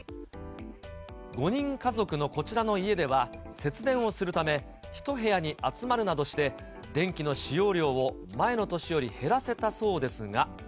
５人家族のこちらの家では、節電をするため、１部屋に集まるなどして、電気の使用量を前の年より減らせたそうですが。